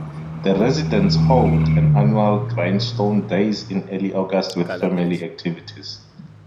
The residents hold an Annual Grindstone Days in early August with family activities.